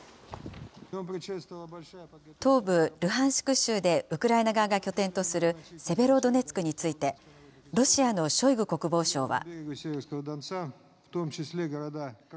東部ルハンシク州でウクライナ側が拠点とするセベロドネツクについて、ロシアのショイグ国防相は。